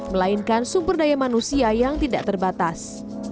melainkan sumber daya manusia yang tidak terbatas